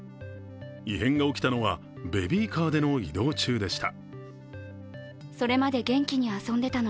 異変が起きたのはベビーカーでの移動中でした。